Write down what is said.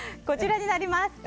こちらになります。